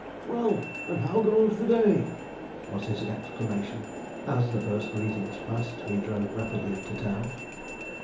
"Well, and how goes the day?" was his exclamation as, the first greetings passed, we drove rapidly into town.